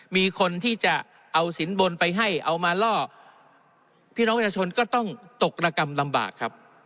มีคนที่จะเอาสินบนไปให้เอามาล่อพี่น้องประชาชนก็ต้องตกระกำลำบากครับ